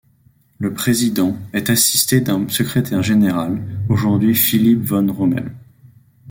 Le président est assisté d'un secrétaire général, aujourd'hui Philipp von Rummel.